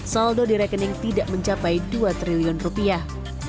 saldo di rekening tidak mencapai dua triliun rupiah